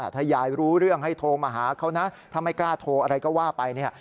ถ้ายายรู้เรื่องให้โทรมาหาเขานะถ้าไม่กล้าโทรอะไรก็ว่าไปเนี่ย